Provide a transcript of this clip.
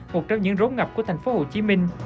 một trong những rốn ngập của thành phố hồ chí minh